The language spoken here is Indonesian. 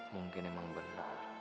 mungkin emang benar